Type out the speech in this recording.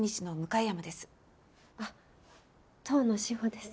あっ遠野志保です。